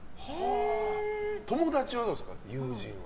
友達は、どうですか友人は。